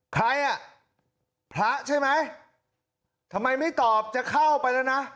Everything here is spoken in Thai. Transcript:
ใครอ่ะพระใช่ไหมทำไมไม่ตอบจะเข้าไปแล้วนะ